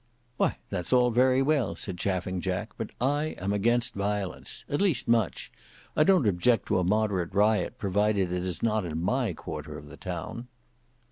"Why, that's all very well," said Chaffing Jack: "but I am against violence—at least much. I don't object to a moderate riot provided it is not in my quarter of the town."